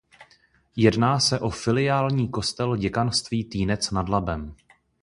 Jedná se o filiální kostel děkanství Týnec nad Labem.